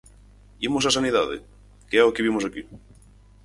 Imos á sanidade, que é ao que vimos aquí.